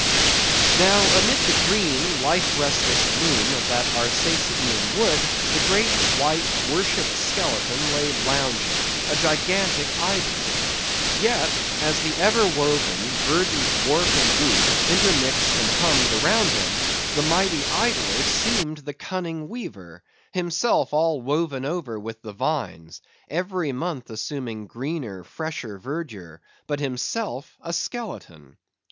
Now, amid the green, life restless loom of that Arsacidean wood, the great, white, worshipped skeleton lay lounging—a gigantic idler! Yet, as the ever woven verdant warp and woof intermixed and hummed around him, the mighty idler seemed the cunning weaver; himself all woven over with the vines; every month assuming greener, fresher verdure; but himself a skeleton.